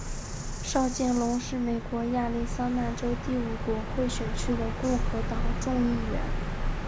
邵建隆是美国亚利桑那州第五国会选区的共和党众议员。